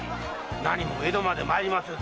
何も江戸まで参りませずとも。